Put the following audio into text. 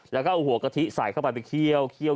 แล้วก็เอาหัวกะทิใส่เข้าไปไปเคี่ยว